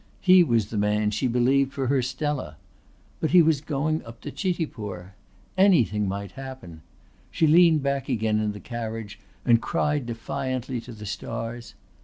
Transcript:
He was the man, she believed, for her Stella. But he was going up to Chitipur! Anything might happen! She leaned back again in the carriage and cried defiantly to the stars.